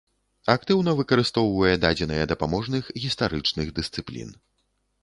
Актыўна выкарыстоўвае дадзеныя дапаможных гістарычных дысцыплін.